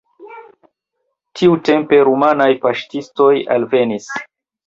Tiutempe rumanaj paŝtistoj alvenis.